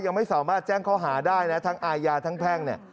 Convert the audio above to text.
ยังไม่สามารถแจ้งข้อหาได้นะทั้งอาญาทั้งแพ่งเนี่ย